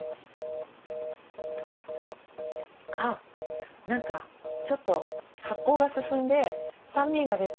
あ何かちょっと発酵が進んで酸味が出て。